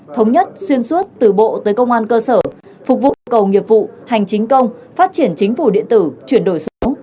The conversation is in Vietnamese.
thống nhất xuyên suốt từ bộ tới công an cơ sở phục vụ yêu cầu nghiệp vụ hành chính công phát triển chính phủ điện tử chuyển đổi số